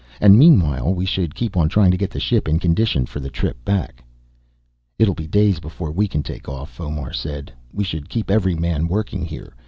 And meanwhile we should keep on trying to get the ship in condition for the trip back." "It'll be days before we can take off," Fomar said. "We should keep every man working here.